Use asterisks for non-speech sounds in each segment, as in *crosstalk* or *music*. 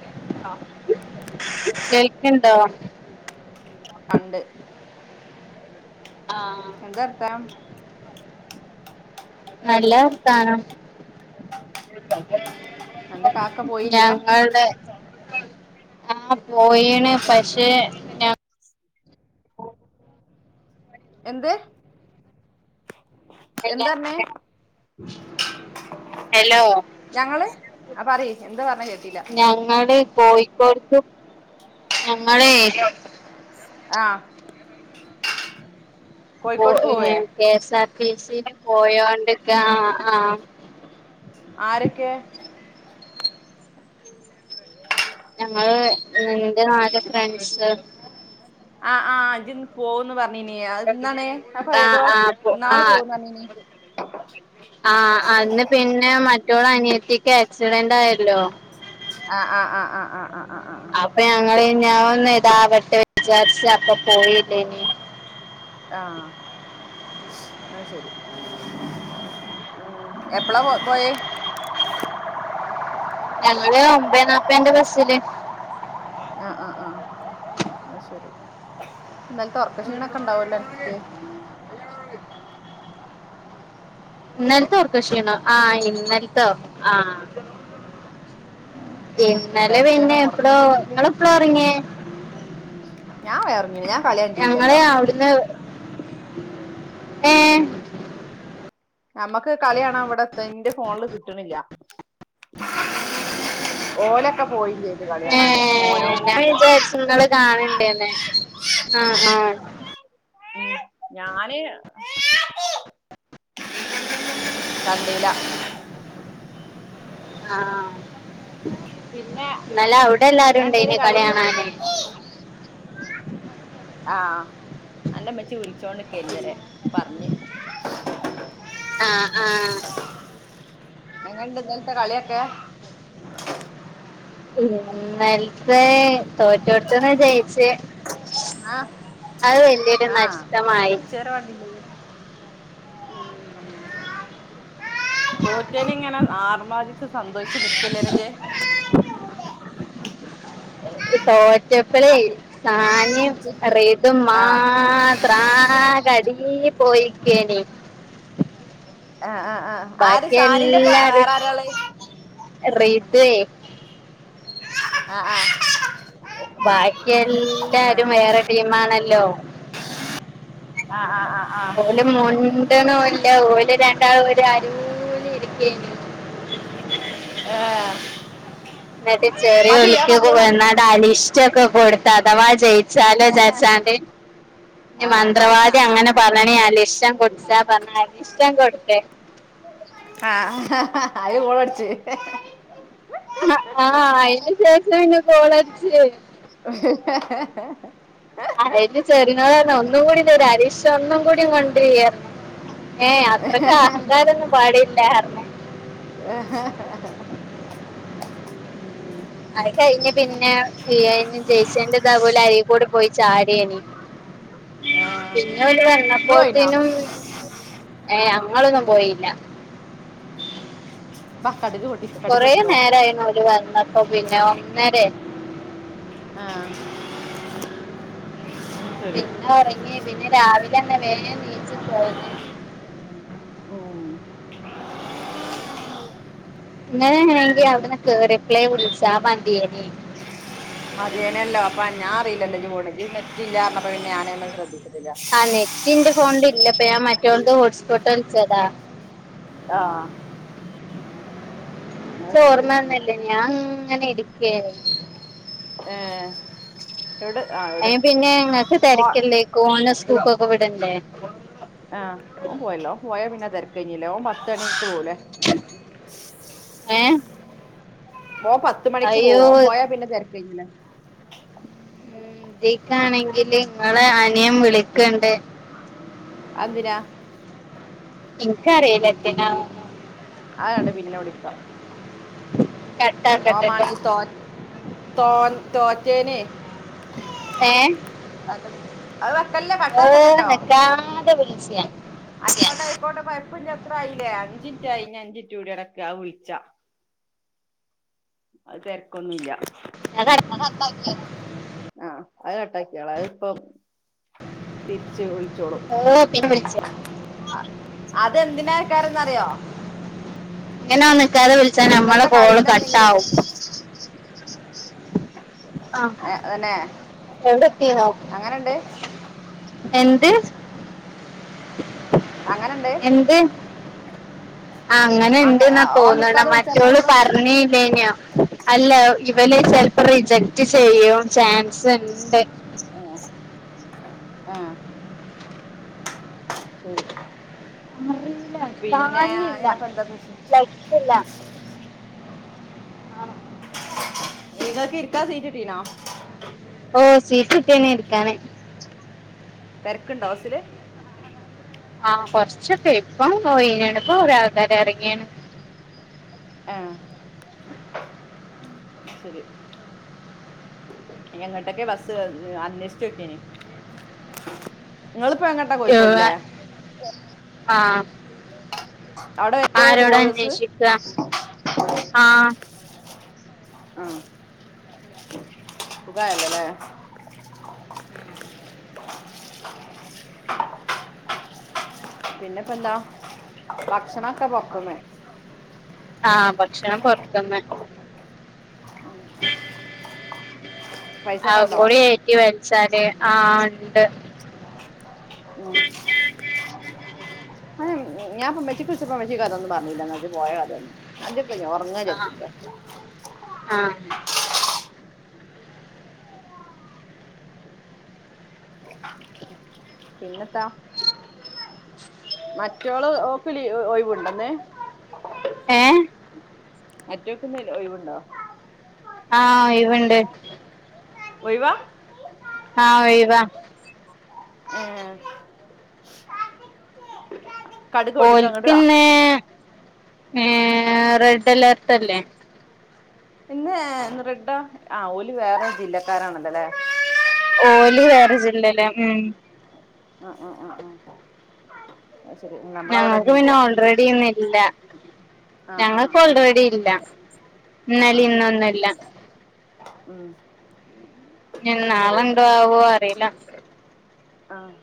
കേക്ക്ണ്ടോ കേൾക്കിണ്ടോ കണ്ട് ആഹ് എന്ത വർത്താനം നല്ല വർത്താനം അന്റെ കാക്ക പോയില്ല ഞങ്ങളുടെ ആ പോയിൻ പക്ഷേ എന്ത് *unintelligible* എന്താർഞ്ഞേ ഹലോ ഞങ്ങള് ആ പറയ് എന്താ പറഞ്ഞെ കേട്ടില്ല ഞങ്ങള് പോയി *unintelligible* ഞങ്ങളെ ആഹ് പോ കോഴിക്കോട്ക്ക് പോവേ ഏഹ് കെഎസ് ആർ ടി സില് പോയോണ്ട്ക്ക ആഹ് ആഹ് ആരൊക്കെ ഞങ്ങള് ഇന്റെ നാല് ഫ്രണ്ട്സ് ആഹ് ആഹ് ജ് ന്ന് പോന്ന് പറഞ്ഞ് ഞ്ഞിനി അത് ഇന്നാണ് അപ്പൊ ആഹ് ഏതോ ആഹ് ഇന്നാള് പോവുന്ന് പറഞ്ഞിനീ ആഹ് ആഹ് അന്ന് പിന്നെ മറ്റോളെ അനിയത്തിക്ക് ആക്സിഡന്റ് ആയല്ലോ ആഹ് ആഹ് ആഹ് ആഹ് ആഹ് ആഹ് അപ്പൊ ഞങ്ങള് ഞാൻ ഒന്ന് ഇതാവട്ടെ വിചാരിച്ച് അപ്പ പോയില്ലേനീ ആഹ് അയ് ശരി ഉം എപ്പളാ പോയേ ഞങ്ങള് ഒമ്പത്തെ നാൽപതിന്റെ ബസ്സില് ആഹ് ആഹ് ആഹ് അയ് ശരി ഇന്നലത്തെ ഒറക്ക ക്ഷീണൊക്കെ ഇണ്ടാവുല്ലേ *unintelligible* ഇന്നലത്തെ ഒർക്കക്ഷീണ ആഹ് ഇന്നലത്തോ ആഹ് ഉം ഇന്നലേ പിന്നെ ടെൻഷനും ഒറക്ക എപ്പഴോ ക്ഷീണം ഇങ്ങളെപ്പഴ ഉറങ്ങിയേ ഞാൻ *unintelligible* ഞങ്ങള് കണ്ടീല്ലല്ലോ അവിടന്ന് ഏഹ് നമ്മക്ക് കളി കാണാൻ ഇവിടെപ്പോ എന്റെ ഫോണില് കിട്ടണില്ല ഓലൊക്കെ പോയില്ലേ ഏഹ് ഞാൻ വിചരിച്ച്ങ്ങള് കാണുണ്ട്ന്ന് ആഹ് ആഹ് ഉം ഞാന് വണ്ടീല ആഹ് ഇന്നലെ അവടെ എല്ലാരുണ്ടായിനി കളി കാണാനെ ആഹ് അന്റെമ്മച്ചി വിളിച്ചോണ്ട്ക്കായിരുന്ന്വരെ പറഞ്ഞ് ആഹ് ആഹ് എങ്ങന്ണ്ട് ഇന്നലത്തെ കള്യോക്കെ ഇന്നൽത്തെ തോറ്റോടുത്തുന്ന ജയിച്ചേ ആഹ് ആഹ് നഷ്ടമായി തിരിച്ചര വണ്ടീല് തോറ്റേന്ന് ഇങ്ങനെ ആർമാതി സന്തോഷിച്ച് നിൽക്കുവല്ലേ *unintelligible* തോറ്റപ്പളെ ആക്കി സാനേം റിതും മാ ആ ത്രാ കടി പോയിക്കേനീ ആഹ് ആഹ് ആഹ് ആര് ബാക്കി സാനിന്റെ പ വേറെ ആരാളെ- റീത്തെ ആഹ് ആഹ് ആ ആ ബാക്കിയെല്ലാരും വേറെ ടീമാണല്ലോ ആഹ് ആഹ് ആഹ് ആ്ഹ് ഓല് മുണ്ടണൂല്ല ഓല് രണ്ടാളും ഒരു അരുല് ഇരിക്കയാണ് ആഹ് ന്നിട്ട് ചെറിയ ഒലുക്കൊക്കെ *unintelligible* അരിഷ്ടൊക്കെ കൊടുത്ത് അഥവാ ജയി ച്ചാലാ ചാച്ചാണ്ട് ആ ഈ ആ ആ ആ മന്ത്രവാദി ആ അങ്ങനെ ആ പറഞ്ഞാണി അരിഷ്ടം കൊടുത്താ പറഞ്ഞരിഷ്ടം കൊടുത്തേ ആഹ് അയില് ഗോളടിച്ച് ആഹ് അയിന് ശേഷാണ് ഗോളടിച്ച് ഉം അതിന് ചെറിനോട് *unintelligible* ഒന്നൂടെനോരു അരീഷ് സ്വണ്ണം കൂടിം കൊണ്ടരീന്ന് ഏഹ അത്രക്ക അഹങ്കാരൊന്നും പാടില്ല ഉം അത് കഴിഞ്ഞ് പിന്നെ ജയ്ച്ചേന്റെ താപോലെ അര കൂടെ പോയി ചാടിയനി ആഹാ നിങ്ങള് പോയിനാ ഏയ് അഞങ്ങളൊന്നും പോയില്ല ഉം ബാ കടക്ക് കൊടി കൊറെ നേരയിന അവര് വന്നപ്പോ പിന്നെ ഒന്നേര ആഹ് പിന്നെ ഉറങ്ങി പിന്നെ രാവിലെ തന്നെ വേഗം നീച്ചി പോന്നെ ഉം ഇങ്ങനെങ്കിൽ അവിടെ കേറിയപ്പളെ വിളിച്ച മതിയെന്നു മതിനല്ലോ അപ്പൊ ഞാനറിയില്ല ഇജ് പോണ് നെറ്റില്ലാന്ന് പറഞ്ഞപ്പോ ഞാനന്നെ ശ്രദ്ധിച്ചിട്ടില്ല നെറ്റിന്റെ ഫോണി ഇല്ലപ്പ ഞാ മറ്റോ ഹോട്ട്സ്പോട്ട് കളിച്ചതാ ആഹ് അത് ശരി ച്ചോർമ്മന്നല്ല, ഞാൻങ്ങനെ ഇരിക്കേണി ഏഹ് എവിടെ ആഹ്‌ അയ്ന് പിന്നെ ങ്ങക്ക് തെരക്കല്ലേക്കും. ഓനെ സ്കൂൾക്കൊക്കെ വിടണ്ടേ ആഹ് ഓൻ പോയല്ലോ, ഓൻ പോയാ പിന്നെ തെര്ക്കയ്ഞീലേ, ഓൻ പത്തണിക്ക് പോവൂലേ ഏഹ്‌ ഓൻ പത്ത് മണിക്ക് പോവും. ഓൻ പോയാ പിന്നെ തെര്ക്കയിഞ്ഞിലെ തീക്കാണെങ്കില് ങ്ങളെ അനിയൻ വിളിക്കണ്ട് അതെന്തിനാ ഇൻക്കറീല എത്തിനാനൊന്നും അതങ്ങട് പിന്നെ വിളിക്ക കട്ടാക്കട്ടെ ഓമാണെങ്കിൽ തോ തോ തോറ്റേനെ ഏഹ്‌ അത് അത് വെക്കല്ലേ ഹ് കട്ടാക്കല്ലേട്ടോ നിക്കാതെ വിൾച്ച ഐക്കോട്ടെ ഐക്കോട്ടെ കൊയപ്പല്യ ത്ര ആയീലേ, അഞ്ചിൻറ്റായി ഞ്ഞി അഞ്ചിൻറ്റൂടി അടക്ക് അത് വിളിച്ചാ അത് തെര്ക്കൊന്നുല്ല അ *unintelligible* ആഹ്, അത് കട്ടാക്കിയള അതിപ്പം തിര്ച്ച് വിൾച്ചോളും ഓഹ് പിൻ വിളിച്ച് അതെന്തിനേക്കാരന്നറിയോ ങ്ങനോൻ നിക്കാതെ വിൾച്ചാ നമ്മളെ ഇന്നലത്തെ കോള് കളീന്റെ എന്തെങ്കിലുമൊക്കെ കട്ടാവും *unintelligible* ആഹ്‌ ഏഹ് തന്നെ എവടെത്തിന്നോ അങ്ങനെണ്ട് എന്ത് അങ്ങനണ്ട് ന്ത്‌ ആഹ്‌ അങ്ങ അങ്ങനണ്ട് ന്നാ ഓൻ തോന്നണ് നിക്കാതെ വിളിച്ച നമ്മളെ മറ്റോള് കോള് പർഞ്ഞീല്യേന്യോ അല്ല ഇവല് ചെൽപ്പോ റിജക്ട് ചെയ്യും ചാൻസ് ഉണ്ട് ആഹ ആഹ്‌ ശരി അറീല.. പിന്നെ കാൺണില്ലാ ഞാൻപ്പ എന്താ ലൈറ്റ്ല്ല ഇങ്ങക്ക് ഇര്ക്കാ സീറ്റ്ട്ടീനോ ഓഹ്‌ സീറ്റ്ട്ടീന് ഇരിക്കാന് തെര്ക്ക്ണ്ടോ ബസില് ആഹ് കൊർച്ചൊക്കെ ഇപ്പം ഒയ്ഞ്ണ്. പ്പ കൊറേ ആൾക്കാരെറങ്ങിണ്. ഏഹ് അത് ശരി എങ്ങട്ടൊക്കെ ബസ്സ് അന്വേഷ്ച്ചോക്കേനി ങ്ങള്പ്പെങ്ങട്ടാ കോഴിക്കോട്ല്ലേ ആഹ് അവിടെ വരെ ആരോട പോവോ ബസ് അന്വേഷിക്ക ആഹ്‌ ആഹ് ഉം സുഖായല്ല ലേ *unintelligible* പിന്നെപ്പന്താ ഭക്ഷണൊക്കെ പൊർത്ത്ന്ന്‌ ആഹ് ഭക്ഷണം പൊർത്ത്ന്ന് ഉം ഉണ്ടോ അവുങ്കൂടി ഏറ്റി വെൽച്ചാല് ആഹ്‌ ണ്ട് ഉം *unintelligible* ഞാ പ്പോ ഇമ്മച്ചിക്ക്‌വിളിച്ചപ്പ ഇമ്മച്ചീകഥഒന്നും പറഞ്ഞില്ല ന്നാ ഇജ് പോയകഥ ഒന്നും അതിപ്പല്ലേഒറ ആഹ് ആഹ് പിന്നെത്താ മറ്റോള് ഓക്ക്ലി ഒയ്വ്ണ്ടന്ന് ഏ മറ്റോക്ക്ന്ന് ൽ ഒഴിവ്ണ്ടോ ആഹ് ഒയ്വ്ണ്ട് ഒയ്‌വാ ആഹ് ഒയ്‌വാ ഏ ഓൽക്ക്ന്ന് ഏ റെഡ് അലർട്ടല്ലേ ഇന്ന് ഇന്ന് റെഡാ ആ ഓല് വേറെ ജില്ലക്കാരാണല്ലോല്ലേ ഓൽ വേറ ജില്ലേലാ ഉം അ അ അ അ ന്നാശരി ന്ന ഞങ്ങക്ക് പിന്നെ ഓൾറെഡി ഇന്ന് ഇല്ല ആഹ് ആഹ് ഞങ്ങക്ക് ആഹ് ഓൾറെടി ഇല്ല ആഹ് ഇന്നലിം ആഹ് ഇന്നൊന്നുല്ല ഉം ഞ് നാള ഇണ്ടോആവോ അറീല്ല ആഹ്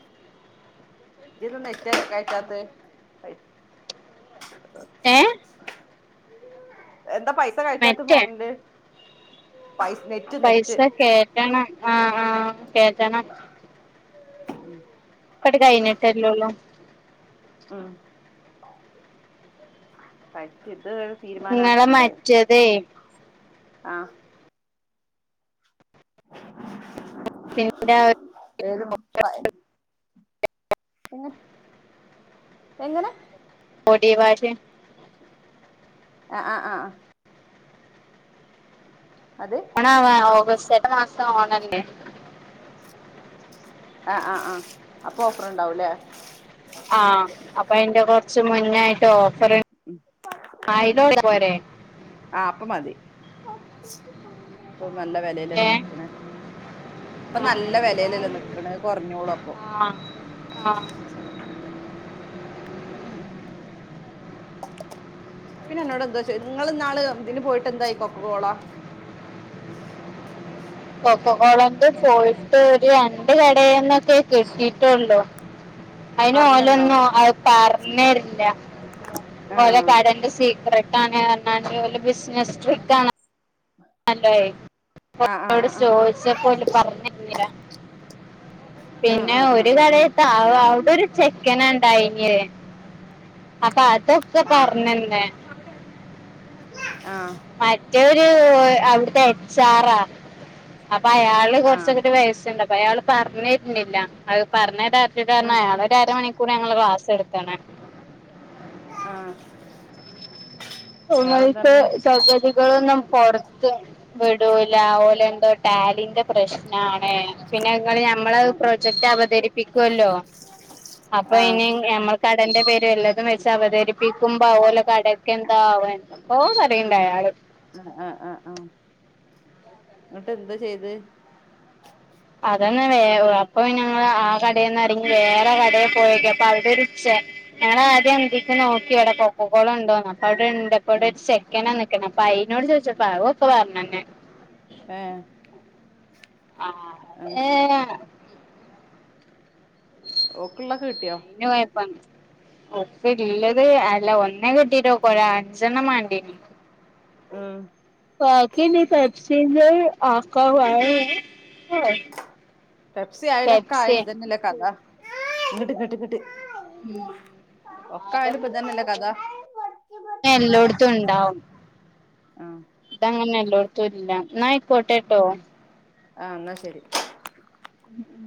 ഇജ് *unintelligible* നെറ്റ്കയ്റ്റാത്ത് പൈ ഏ എന്താ പൈസ കയറ്റാത്ത് മറ്റേ ഫോണ്ല് പൈസ നെറ്റ് പൈസ നെറ്റ് കേറ്റണം ആഹ് ആഹ് കേറ്റണം ഇപ്പട്ട് കഴിഞ്ഞിട്ടല്ലോള്ളു ഉം പറ്റന്ത് ഇങ്ങള മറ്റേന്തയ് ആഹ് പി ന്നെ അത് വെറും പ്പയ് പിന്നെ എങ്ങനെ പൊടിവാശ്യൻ ആഹ് ആഹ് ആഹ് അത് ആഹ് ഓഗസ്റ്റേട്ടമാസം ഓണല്ലേ ആഹ് ആഹ് ആഹ് അപ്പൊ ഓഫർ ഇണ്ടാവുംല്ലേ ആഹ് അപ്പൊ അയ്ന്റെ കൊറച്ച് മുന്നായിട്ട് ഓഫറ് ആയിര ത്തപോരെ ആഹ് അപ്പ മതി പ്പൊ നല്ല വെലേല ല്ലേ ന്‌ക്ക്‌ണ് പ്പ നല്ല വെലേലല്ലോ നിക്ക്ണ് കൊറഞ്ഞോളു അപ്പൊ ആഹ് ഉം പിന്നെ എന്നോട്ന്താെ ച്ചോ ങ്ങൾ ന്നാള് തിന് പോയ്ട്ട് എന്തായി കൊക്കകോള കൊക്ക കോളൊണ്ട് പോയിട്ട് ഒരു രണ്ട് കടേന്നൊക്കെ കിട്ടിട്ടൊള്ളൂ അയ്ന് പറഞ്ഞന്നോ ഓലൊന്നും അത് പർഞ്ഞേര്ല്ല ഓല ആഹ് കടന്റെ സീക്രട്ടാണ് അർണാണ്ട് ഓലേ ബിസ്നസ് ട്രിക്കാ *unintelligible* ഓ ആഹ് ആഹ് ലോട് ആഹ് ച്ചോയിച്ചപ്പോ ഓൽ പറഞ്ഞന്നില്ല പിന്നെ ആഹ് ആഹ് ആഹ് ആഹ് ആഹ് ഒര് ആഹ് ആഹ് കടേത്ത അവ ഞാൻ പറഞ്ഞു അവ്ടൊരു ചെ ക്കനാണ്ടായിന്നേ അപ്പൊ അതൊക്ക ആഹ് പറഞ്ഞന്നേ ആഹ് മറ്റൊരു അവ്ട്ത്ത എച്ചാറാ അപ്പ അയാൾ യാൾക്ക് ആഹ് കൊറച്ചങ്ങട്ട് വയസ്സ്ണ്ട് അപ്പ അയാൾ പറഞ്ഞേര്ണില്ല അത് പറഞ്ഞേരാതകാരണം അയാൾ ആഹ് ഒര്അര മണി ഞങ്ങളെ ക്ലാസ് എടുക്കാണ് ആഹ് ഇയാളെന്തറഞ്ഞേ *unintelligible* സങ്ങതികളൊന്നും പൊറത്ത് വിടൂല ഓലെ എന്താ ടാലിന്റെ പ്രശ്നാണ് പിന്നെങ്ങള് ഞമ്മള ആ പ്രൊജക്ട് അവതരിപ്പിക്കുവല്ലോ അപ്പൊ ആഹ് ഇനി നമ്മൾ കടന്റെ പേര് വല്ലാ വെച്ച് അവതരിപ്പിക്കുമ്പോ ഓലെ കടക്ക് എന്താവാ ക്കോ പറയ്ണ്ട് അയാൾ ആഹ് ആഹ് ആഹ് ആഹ് ഇങ്ങട്ട് എന്താ ചെയ്ത അതന്നെ വേ അപ്പൊ ഞങ്ങള് ആ കടേന്നറങ്ങി വേറെ കടെ പോയോ ക്കിയപ്പൊ അവിടൊരു ചെ ഞങ്ങള ആദ്യം അന്തിക്ക് നോക്കി ഇവടെ കൊക്കക്കോള ഉണ്ടോന്ന് അപ്പ അവിടെ ഇണ്ട് പ്പോടെ ചെക്കനാ നിക്ക്ണ അപ്പൊ അയിനോട് ചോദിച്ചപ്പ പ അ ഒക്കെ പറഞ്ഞന്ന് ആഹ് ആഹ് ഏഹ് ഓക്കുള്ളള്ളൊക്കെ കിട്ടിയോ *unintelligible* ഉപ്പ്ല്ലത് അല്ല ഒന്നേ കിട്ടീട്ട് ക്ക ഒ അഞ്ചെണ്ണം വാണ്ടീ ഉം ബാക്കി നീ പ എക്സ്ചേഞ്ച് ആക്കാ *unintelligible* പെപ്സി ആയലൊക്കെ ആയാലും ഇതന്നെല്ലേ കഥ ഇങ്ട്ട് ഇങ്ട്ട് ഇങ്ട്ട് ഉം ഒക്കാ എന്നാലും ആയാലും പതന്നല്ലെ കഥാ എല്ലോട്ത്തും ഉണ്ടാവും ആ ഇത അങ്ങനെ എല്ലോട്ത്തും ഇല്ല ന്നയിക്കോട്ടെ ഉആഹ് ന്നാ ശരി ഉം ഉം